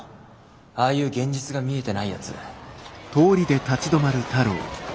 ああいう現実が見えてないやつ。